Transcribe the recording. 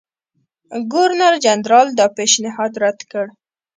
ګورنرجنرال دا پېشنهاد رد کړ.